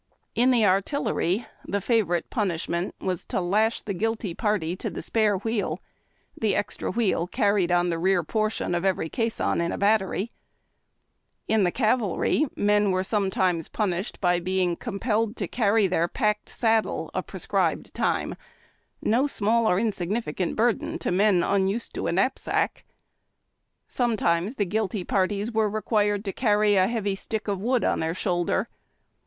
In the artillery, the favorite punish ment was to lash the guilty party to the spare wheel — the extra wheel carried on the rear portion of everj'' In A LOADED KNAPSACK. caisson in a battery the cavalry, men were some times punished by being compelled to carry their packed saddle a prescribed time — no small or insig nificant burden to men un used to a knapsack. Some times the guilty parties were required to carry a heavy stick of wood on the shoulder.